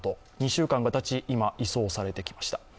２週間がたち、今、移送されてきました。